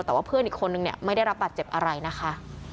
แต่ว่าเพื่อนอีกคนนึงเนี่ยไม่ได้รับบาดเจ็บอะไรนะคะ